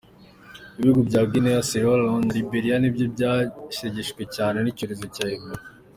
Ibihugu bya Guinea, Sierra Leonne na Liberia nibyo byashegeshwe cyane n’icyorezo cya Ebola.